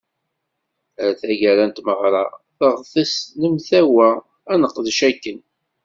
Ar taggara n tmeɣra, neɣtes, nemtawa ad neqdec akken.